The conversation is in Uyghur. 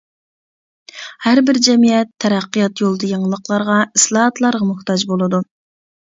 ھەر بىر جەمئىيەت تەرەققىيات يولىدا يېڭىلىقلارغا، ئىسلاھاتلارغا موھتاج بولىدۇ.